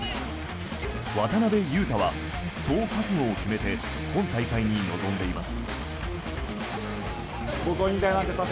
渡邊雄太は、そう覚悟を決めて今大会に臨んでいます。